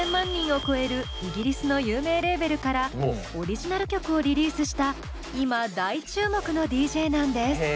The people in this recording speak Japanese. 人を超えるイギリスの有名レーベルからオリジナル曲をリリースした今大注目のＤＪなんです。